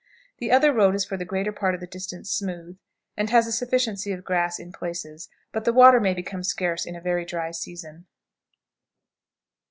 _ The other road is for the greater part of the distance smooth, and has a sufficiency of grass in places, but the water may become scarce in a very dry season.